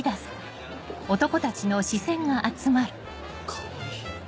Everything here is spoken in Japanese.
かわいい。